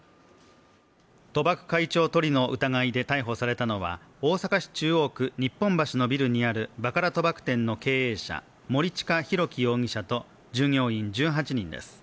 賭博開帳図利の疑いで逮捕されたのは大阪市中央区日本橋のビルにあるバカラ賭博店の経営者森近浩城容疑者と従業員１８人です。